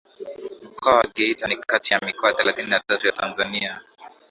Mkoa wa Geita ni kati ya mikoa thelathini na tatu ya Tanzania